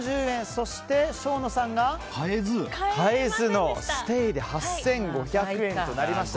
そして、生野さんが変えずのステイで８５００円となりました。